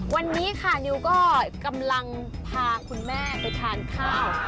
วันนี้ค่ะนิวก็กำลังพาคุณแม่ไปทานข้าว